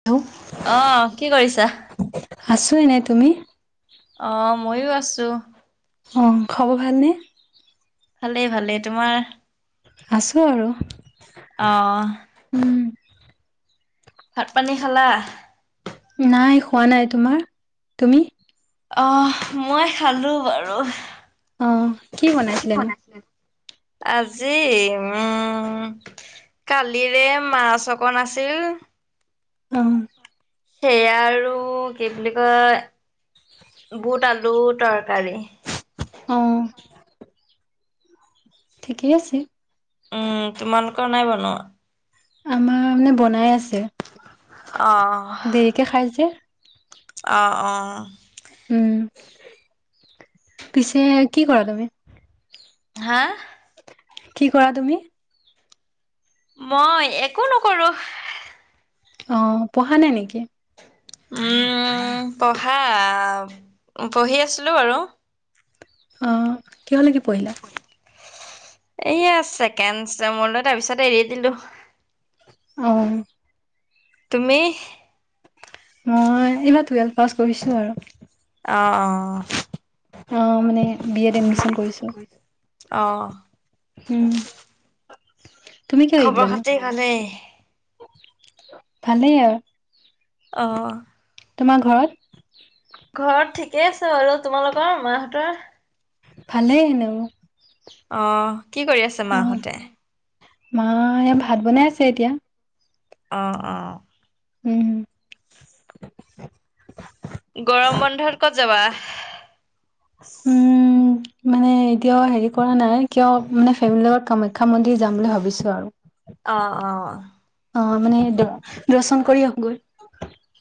Hello. অ কি কৰিছা? আছো এনেই, তুমি? অ ময়ো আছো। অ খবৰ ভালনে? ভালেই ভালেই, তোমাৰ? আছোঁ আৰু। অঁহ। উম। ভাত পানী খালা? নাই খোৱা নাই তোমাৰ, তুমি? অ মই খালো বাৰু। অহ, কি বনাইছিলেনো? আজি উম। কালিৰে মাছ অকণ আছিল। অহ। সেয়া আৰু কি বুলি কয়, বুট আলু তৰ- কাৰি। অ। ঠিকেই আছে। উম তোমালোকৰ নাই বনোৱা। আমাৰ মানে বনাই আছে। অহ। দেৰিকে খাই যে। অ অ। উম পিছে কি কৰা তুমি? হা কি কৰা তুমি? মই একো নকৰো। অঁ পঢ়া নাই নেকি? উম পঢ়া পঢ়ি আছিলো বাৰু। অ কিহলৈকে পঢ়িলা। এয়া ছেকেন চ মৰলৈ তাৰপিছত এৰি দিলো। অঁ তুমি? মই ইমান টুৱেলভ পাছ কৰিছোঁ। আৰু অ অ আহ মানে বি এড এডমিচন কৰিছো। অ', উ খবৰ খাতি ভালেই। ভালে আৰু অ তোমাৰ ঘৰত ঘৰত ঠিকেই আছে ব তোমালোকৰ মাহঁতৰ- ভালেই এনেকে অ কি কৰি আছো। অ ম ভাত বনাই আছে এতিয়া। অ অ উম গৰম বন্ধত ক'ত যাবা। উম মানে এতিয়াও হেৰি কৰা নাই কিয় মানে ফেমিলিৰ লগত কামাখ্যা মন্দিৰ যাম বুলি ভাবিছো। আৰু অ', অ'। অ' মানে দ দৰ্শন কৰি আহো গৈ।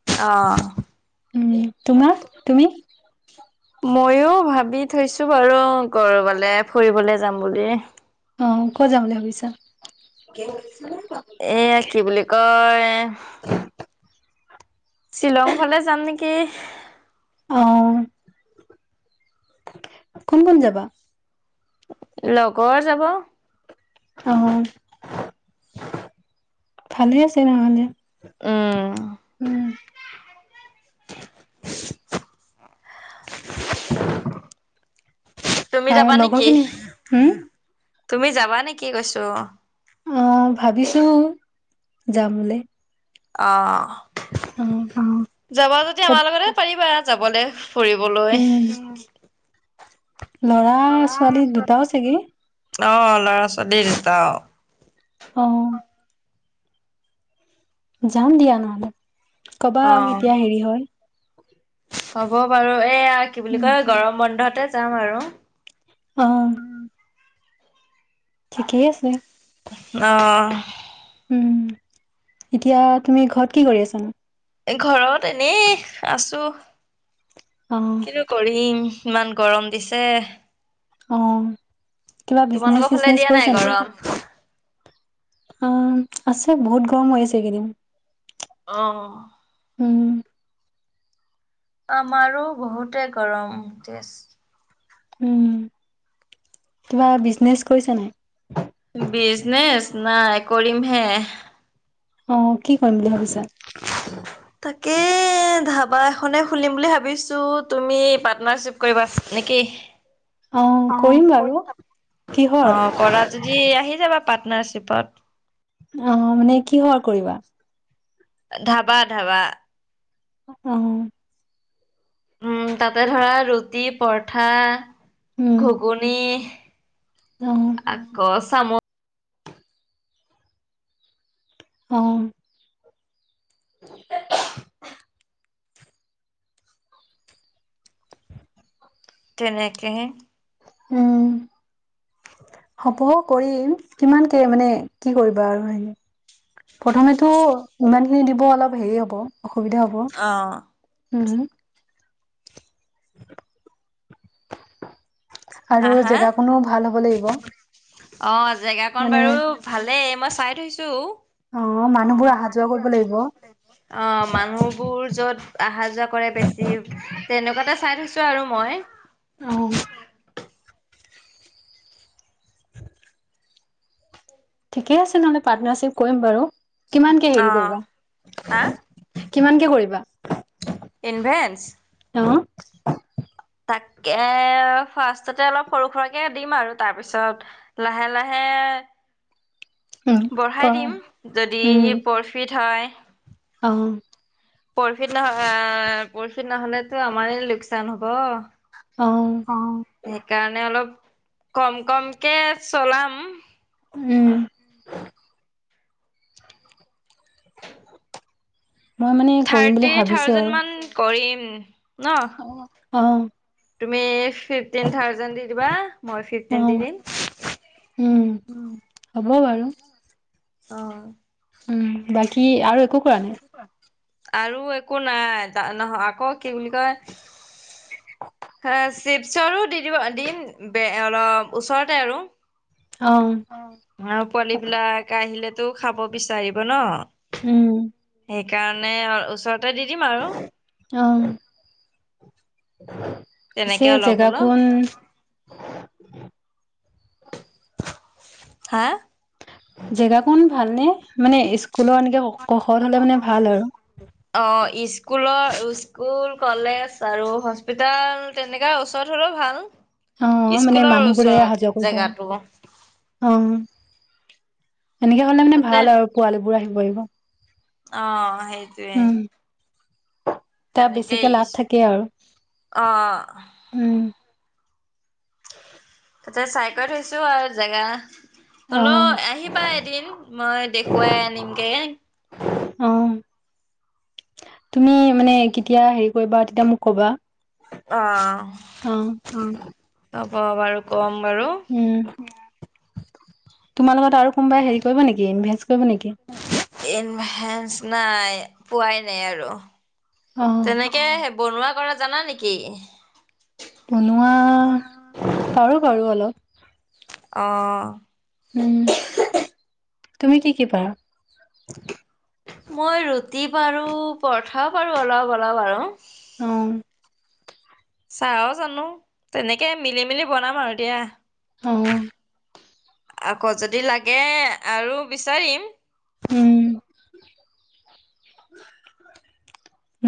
অ'। উম, তোমাৰ, তুমি। ময়ো ভাবি থৈছোঁ বাৰু ক'ৰবালে ফুৰিবলে যাম বুলি। অ' ক'ত যাম বুলি ভাবিছা। এয়া কি বুলি কয়। শ্বিলংৰ, ফালে যাম নেকি? অ কোন কোন যাবা। লগৰ যাব। অ ভালে আছে নহলে উম উম- [unintelligible] তুমি আৰু যাবা লগৰ নেকি, খিনি হম তুমি যাবা নেকি কৈছো। অ' ভাবিছোঁ, যাম বুলি। অ', অ', যাবা যদি ক আমাৰ লগতে পাৰিবা যাবলৈ। ফুৰিবলৈ। উম ল'ৰা ছোৱালী দুটাও চাগে। অ' ল'ৰা ছোৱালী দুটা অ'। অ'। যাম দিয়া নহ'লে, ক'বা অ কেতিয়া হেৰি হয়। হ'ব বাৰু এইয়া কি বুলি উম। কয় গৰম বন্ধতে যাম আৰু। অ'। ঠিকেই আছে। অ'। উম, এতিয়া তুমি ঘৰত কি কৰি আছানো। ঘৰত এনেই আছোঁ। অ'। কৰিম ইমান গৰম দিছে। অ' কিবা তোমালোকৰ বিজনেচ ফালে চিজনেচ দিয়া কৰিছা নাই? গৰম অ' আছে বহুত গৰম হৈ আছে এইকেইদিন। অ'। উম। আমাৰো বহুতে গৰম তেজ উম, কিবা বিজনেচ কৰিছা নাই? বিজনেচ নাই কৰিম হে। অ' কি কৰিম বুলি ভাবিছা? তাকে ধাবা এখনেই খুলিম বুলি ভাবিছোঁ তুমি পাৰ্টনাৰশ্বিপ কৰিবা নেকি? অ' কৰিম বাৰু, অ কিহৰ? কৰা যদি আহি যাবা পাৰ্টনাৰশ্বিপত। অ' মানে কিহৰ কৰিবা। ধাবা ধাবা। অ'। উম, তাতে ধৰা ৰুটি, পৰঠা, উম ঘুগুনি। অ'। আক চাম অঁ তেনেকে হে উম হ'ব কৰিম কিমানকে মানে কি কৰিবা আৰু হে প্ৰথমেতো ইমানখিনি দিব অলপ হেৰি হব অসুবিধা হ'ব। অ হম হম আৰু হা হা জেগাকনো ভাল হ'ব লাগিব অ জেগাকন মানে বাৰু ভালে মই চাই থৈছোঁ। অ মানুহবোৰ অহা যোৱা কৰিব লাগিব। অ মানুহবোৰ য'ত অহা যোৱা কৰে বেছি তেনেকুৱা এটা চাই থৈছোঁ আৰু মই। ঠিকে আছে নহ'লে পাৰ্টনাৰশ্বিপ কৰিম বাৰু, কিমানকে অ হেৰি হা কৰিবা? কিমানকে কৰিবা? ইনভেন্ঞ্চ। অ'। তাকে ফাৰ্ষ্টতে অলপ সৰু সৰাকে দিম আৰু তাৰ পিছত লাহে লাহে [unintelligible] বঢ়াই দিম যদি উম পৰফিট হয়। অ'। প্ৰফিট নহয় প্ৰফিট নহলেতো আমাৰ লোকচান হ'ব অ অ সেইকাৰণে অলপ কম কমকে চলাম উম মই মানে কৰিম বুলি থাৰ্টি ভাবিছো আৰু থাউজেণ্ডমান কৰিম ন অ তুমি ফিফটিন থাউজেণ্ড দি বা মই অ ফিফটিন দি দিম উম হ'ব বাৰু অ উম বাকী আৰু একো কৰা নাই আৰু একো নাই নহয় আকৌ কি বুলি কয় হে চিপছ আৰু দি দিব দিম বে অলপ ওচৰতে আৰু অ আৰু পোৱালি বিলাকে আহিলেতো খাব বিচাৰিব ন উম সেইকাৰণে ওচৰত ততে দি দিম আৰু অহ পিছে তেনেকে অলপ অলপ জেগাকন হা জেগাকন ভালনে মানে স্কুলৰ এনেকে কাষত হলে অ মানে ভাল আৰু কথা অ স্কুলৰ স্কুল কলেজ আৰু হস্পিতেল তেনেকা ওচৰত হ'লেও অ ভাল মানে স্কুলৰ মানুহবোৰে অহা যোৱা ওচৰত কৰিব আৰু জেগাতো অ সেনেকে হলে মানে তাতে ভাল আৰু পোৱালীবোৰ আহিব পাৰিব অ সেইটোৱে উম তাৰ তেনেকেই বেছিকে লাভ থাকে আৰু অ' উম তাতে চাই কৈ থৈছো আৰু জেগা অ হলেও আহিবা এদিন মই দেখুৱাই আনিমগে অ তুমি মানে কেতিয়া হেৰি কৰিবা তেতিয়া মোক কবা অ অ হব বাৰু কম বাৰু তোমাৰ লগত আৰু কোনোবাই হেৰি কৰিব নেকি ইনভেষ্ট কৰিব নেকি ইনভেষ্ট নাই পোৱাই নাই আৰু অ তেনে কে বনোৱা কৰা জানা নেকি বনোৱা পাৰো বাৰু অলপ অ উম তুমি কি কি পাৰা মই ৰুটি পাৰো পৰঠাও পাৰো অলপ অলপ আৰু অ চাহও জানো তেনেকে মিলি মেলি বনাম আৰু দিয়া অ আকৌ যদি লাগে আৰু বিচাৰিম। [unintelligible] উম! [unintelligible]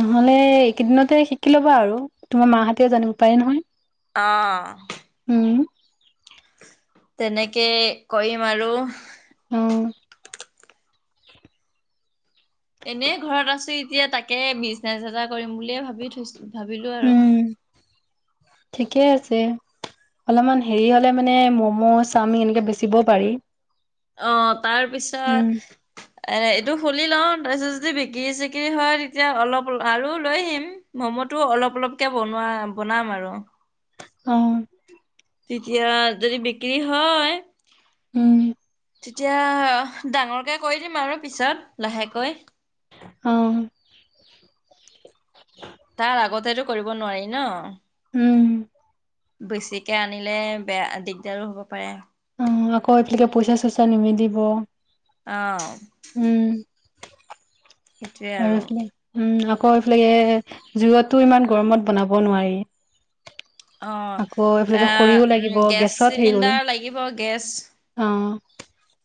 নহ'লে এইকেইদিনতে শিকি ল'বা আৰু তোমাৰ মাহঁতে জানিব পাৰে নহয়। [unintelligible] অঁ! [inaudible] উম! [unintelligible] তেনেকে কৰিম আৰু। [unintelligible] অঁ! [unintelligible] এনেই ঘৰত আছো এতিয়া তাকে বিজনেচ এটা কৰিম বুলিয়ে ভাবি থৈছো ভাবিলো আৰু। [inaudible] উম। ঠিকে আছে। [unintelligible] অলপমান হেৰি হ'লে মানে ম'ম, চাওমিন এনেকৈ বেচিবও পাৰি। [unintelligible] অঁ! তাৰ উম, পিছত [unintelligible] এ এইটো খুলি লওঁ তাৰপিছত যদি বিক্ৰী চিকৰি হয় তেতিয়া অলপ আৰু লৈ আহিম। [unintelligible] ম'মটো অলপ অলপকে বনোৱা বনাম আৰু। [inaudible] অ‌ঁ। [inaudible] তেতিয়া যদি বিক্ৰী হয় [inaudible] উম [unintelligible] তেতিয়া ডাঙৰকে কৰি দিম আৰু পিছত লাহেকৈ। [inaudible] অঁ! [inaudible] তাৰ আগতেতো কৰিব নোৱাৰি ন। [unintelligible] উম! [inaudible] বেছিকে আনিলে বেয়া দিগদাৰো হ'ব পাৰে। [inaudible] উম! আকৌ এইফালে পইচা-চইচা নিমিলিব। [unintelligible] অঁ। [inaudible] উম! [inaudible] সেইটোৱে আৰু। হেল্প মি [unintelligible] উম! আকৌ এইফালে জুইতটো ইমান গৰমত বনাব নোৱাৰি। [inaudible] অঁ! আকৌ এ এইফালে খৰিও লাগিব গেছ গেছত হেৰি গ'লো চিলিণ্ডাৰ লাগিব গেছ [inaudible] অ',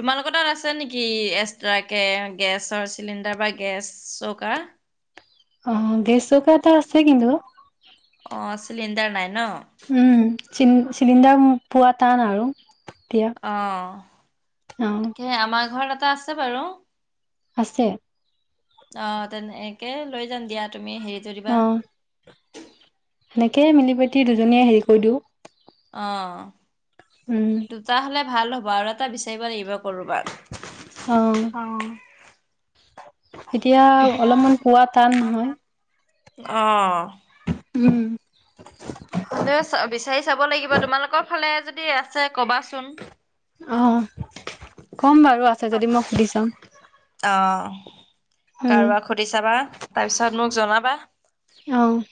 তোমালোকৰ তাত আছে নেকি এক্সট্ৰাকে গেছৰ চিলিণ্ডাৰ বা গেছ চৌকা? [unintelligible] অঁ! গেছ চৌকা এটা আছে কিন্তু [inaudible] অঁ! চিলিণ্ডাৰ নাই ন? [inaudible] উম। চিলিণ্ডাৰ পোৱা টান আৰু। [unintelligible] অঁ! অ', তাকেহে আমাৰ ঘৰত এটা আছে বাৰু। [inaudible] আছে [unintelligible] অঁ! তেনেকে লৈ যাম দিয়া তুমি হেৰিতো দিবা [inaudible] সেনেকেই মিলি প্ৰীতি দুজনীয়ে হেৰি কৰি দিওঁ [inaudible] অঁ! [unintelligible] উম। [inaudible] দুটা হ'লে ভাল হ'ব আৰু এটা বিচাৰিব লাগিব কৰোবাত। [inaudible] অঁ! এতিয়া অলপমান পোৱা টান নহয়। [unintelligible] অঁ! [inaudible] উম! [unintelligible] হ'লেও বিচাৰি চাব লাগিব। তোমালোকৰ ফালে যদি আছে কবা চোন? [inaudible] অঁ! ক'ম বাৰু আছে যদি মই সুধি চাম। [inaudible] অ! উম, কাৰোবাক সুধি চাবা তাৰপিছত মোক জনাবা। [unintelligible] অঁ! [unintelligible]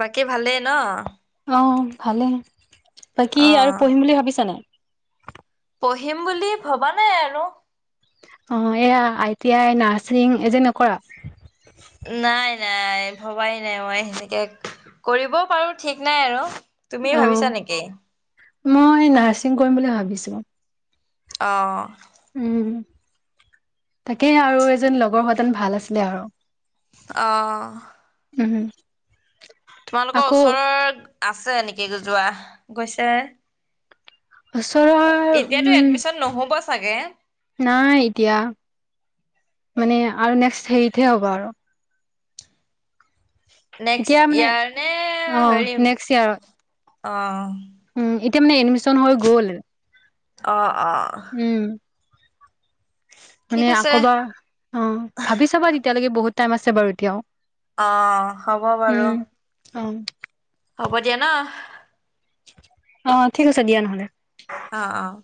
বাকী ভালেই ন। অঁ ভালেই, বাকী আৰু অ', পঢ়িম বুলি ভাবিছা নাই। পঢ়িম বুলি ভবা নাই আৰু। অঁ এইয়া আই টি আই নাৰ্ছিং এ যে নকৰা? নাই নাই ভবাই নাই মই সেনেকে, কৰিবও পাৰো ঠিক নাই আৰু। তুমি ভাবিছা অ', নেকি? মই নাৰ্ছিং কৰিম বুলি ভাবিছো। অঁ' উম' তাকেই আৰু এজনী লগৰ হোৱাহেতেন ভাল আছিলে আৰু। অঁ' উহুম' তোমালোকৰ ওচৰৰ আছে নেকি যোৱা গৈছে। ওচৰৰ- এতিয়াতো উম এডমিশন নহ'ব চাগে। নাই এতিয়া, মানে আৰু নেক্সট হেৰিতহে হ'ব আৰু। নেক্স এতিয়া মানে ইয়াৰ অ নে হেৰিম নেক্সট ইয়াৰত অঁ' উম' এতিয়া মানে এডমিশন হৈ গ'ল। অ অ অ' উম' ঠিক মানে আছে আকৌ এবাৰ অঁ ভাবি চাবা তেতিয়ালেকে বহুত- টাইম আছে বাৰু এতিয়াও। অঁ হ'ব বাৰু। অঁ' হ'ব দিয়া ন। অঁ ঠিক আছে দিয়া নহ'লে। অঁ অঁ'